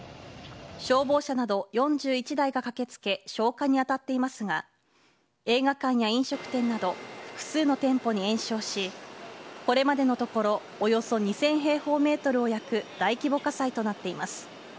消防車など４１台が駆けつけ消火に当たっていますが映画館や飲食店など複数の店舗に延焼しこれまでのところおよそ２０００平方メートルを焼く大規模火災となっています。